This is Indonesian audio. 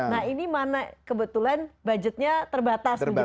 nah ini mana kebetulan budgetnya terbatas begitu